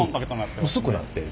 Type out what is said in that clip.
薄くなってる。